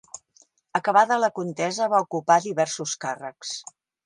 Acabada la contesa, va ocupar diversos càrrecs.